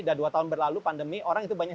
dan dua tahun berlalu pandemi orang itu banyak